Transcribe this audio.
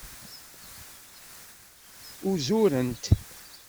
Uzurent.